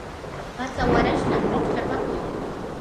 patsa warashnam rikchapakuy.